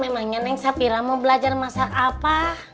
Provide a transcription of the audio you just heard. memangnya neng sapira mau belajar masak apa